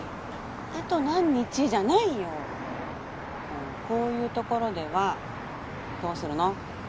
「あと何日」じゃないよこういうところではどうするの？